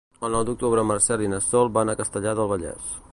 El nou d'octubre en Marcel i na Sol van a Castellar del Vallès.